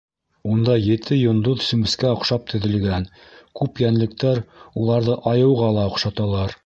Унда ете йондоҙ сүмескә оҡшап теҙелгән, күп йәнлектәр уларҙы айыуға ла оҡшаталар.